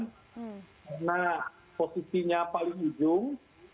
karena posisinya paling ujung